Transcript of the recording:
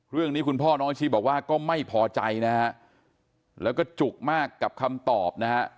คุณพ่อน้องชีบอกว่าก็ไม่พอใจนะฮะแล้วก็จุกมากกับคำตอบนะฮะ